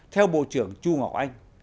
theo bộ trưởng chu ngọc anh